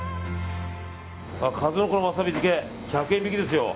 数の子のワサビ漬け１００円引きですよ。